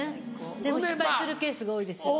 でも失敗するケースが多いですよね。